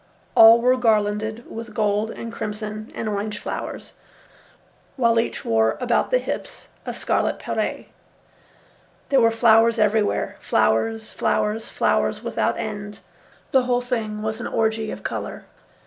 All were garlanded with gold and crimson and orange flowers, while each wore about the hips a scarlet pareu. There were flowers everywhere, flowers, flowers, flowers, without end. The whole thing was an orgy of colour.